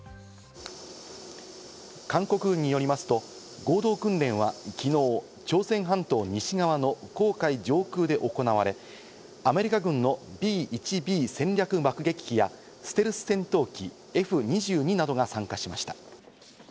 韓国軍によりますと合同訓練は昨日、朝鮮半島西側の黄海上空で行われ、アメリカ軍のＢ１Ｂ戦略爆撃機や、ステルス戦闘機Ｆ２２などが参加しました。